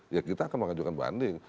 ya kita akan mengajukan banding